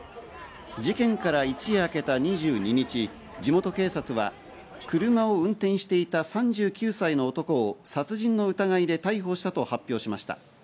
事件から一夜明けた２２日、地元警察は車を運転していた３９歳の男は殺人の疑いで逮捕したと発表しました。